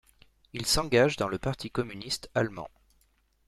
Il s'engage dans le parti communiste allemand.